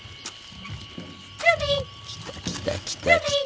来た来た来た来た！